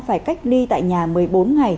phải cách ly tại nhà một mươi bốn